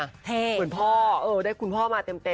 เหมือนพ่อได้คุณพ่อมาเต็ม